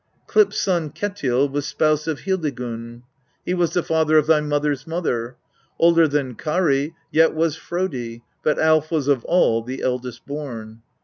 Klyp's son Ketil was spouse of Hildigun ; he was the father of thy mother's mother. Older than Karl yet was Prodi, but Alf was of all the eldest born.